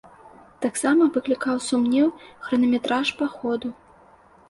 Таксама выклікаў сумнеў хранаметраж паходу.